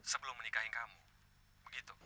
sebelum menikahin kamu begitu